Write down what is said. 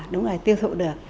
đúng là tiêu thụ được